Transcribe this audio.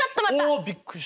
おびっくりした！